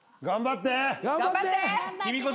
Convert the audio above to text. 頑張って！